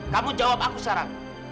kamu jawab aku sekarang